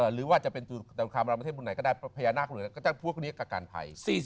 หรือว่าว่าจะเป็นพี่นุชคำศูนย์อาทิศวรรยากก็ได้พนักพุธหมีกับการไพย